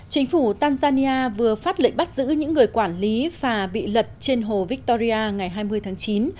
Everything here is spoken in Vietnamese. chính phủ tanzania vừa phát lệnh bắt giữ những người quản lý phà bị lật trên hồ victoria ngày hai mươi tháng chín